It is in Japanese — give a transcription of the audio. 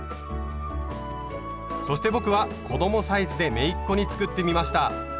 そして僕は子供サイズでめいっ子に作ってみました。